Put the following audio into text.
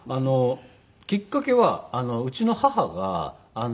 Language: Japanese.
きっかけはうちの母が。